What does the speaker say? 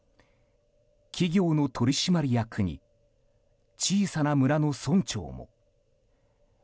企業の取締役に小さな村の村長も。